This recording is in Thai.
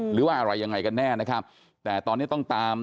หรือว่าอะไรยังไงกันแน่นะครับแต่ตอนนี้ต้องตาม